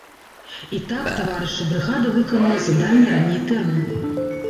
І так, таварышы, брыгада выканала заданне раней тэрміну.